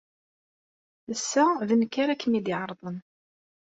Ass-a, d nekk ara kem-id-iɛerḍen.